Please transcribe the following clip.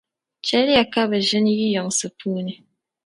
Chεli ya ka bɛ ʒini yi yiŋsi puuni ni.